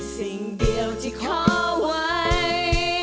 สิ่งเดียวที่ขอไว้